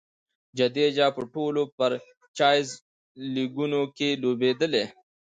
جډیجا په ټولو فرنچائز لیګونو کښي لوبېدلی.